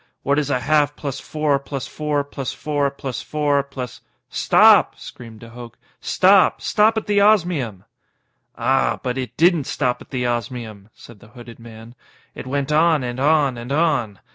"What is a half plus four plus four plus four plus four plus "_ "Stop!" screamed de Hooch. "Stop! Stop at the osmium!" "Ah! But it didn't _stop at the osmium," said the hooded man. "It went on and on and on.